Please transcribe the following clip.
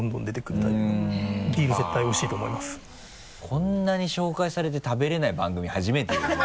こんなに紹介されて食べれない番組初めてですよ